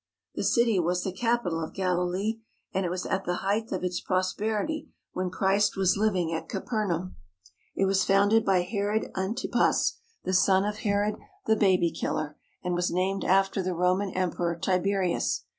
The city was the capital of Galilee, and it was at the height of its prosperity when Christ was living at Caper 193 THE HOLY LAND AND SYRIA naum. It was founded by Herod Antipas, the son of Herod, the baby killer, and was named after the Roman Emperor Tiberias.